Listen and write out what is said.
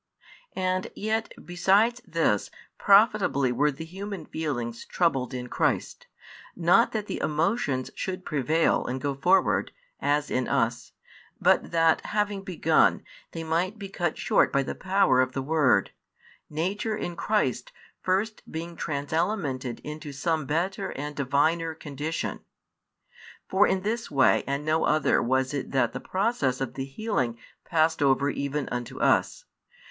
And yet besides this, profitably were the human feelings troubled in Christ: not that the emotions should prevail and go forward, as in us; but that, having begun, they might be cut short by the power of the Word, nature in Christ first being transelemented into some better and Diviner condition. For in this way and no other was it that the process of the healing passed over |151 even unto us.